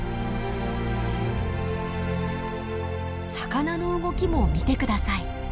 魚の動きも見てください。